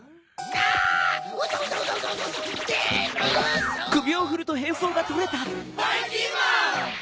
あばいきんまん！